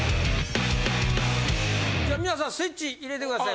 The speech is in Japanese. じゃあみなさんスイッチ入れてください。